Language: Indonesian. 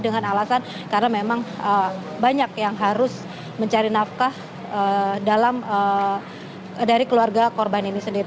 dengan alasan karena memang banyak yang harus mencari nafkah dari keluarga korban ini sendiri